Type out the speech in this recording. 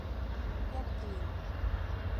一件